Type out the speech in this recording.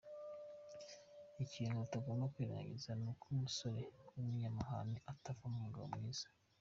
Ikintu utagomba kwirengagiza ni uko umusore w’umunyamahane atavamo umugabo muzima.